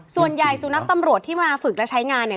สุนัขตำรวจที่มาฝึกและใช้งานเนี่ย